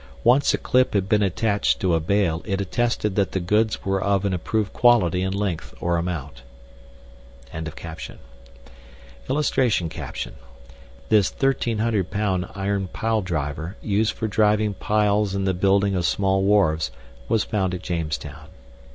ONCE A CLIP HAD BEEN ATTACHED TO A BALE IT ATTESTED THAT THE GOODS WERE OF AN APPROVED QUALITY AND LENGTH OR AMOUNT.] [Illustration: THIS 1,300 POUND IRON PILEDRIVER USED FOR DRIVING PILES IN THE BUILDING OF SMALL WHARVES WAS FOUND AT JAMESTOWN.